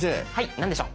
何でしょう。